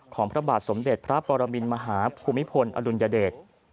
พระบาทสมเด็จพระปรมินมหาภูมิพลอดุลยเดช